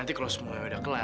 nanti kalau semua ya udah kelar